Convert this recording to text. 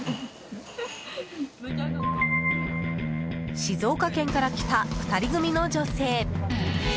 静岡県から来た２人組の女性。